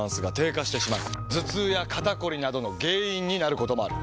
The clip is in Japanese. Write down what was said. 頭痛や肩こりなどの原因になることもある。